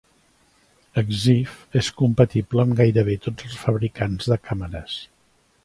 Exif és compatible amb gairebé tots els fabricants de càmeres.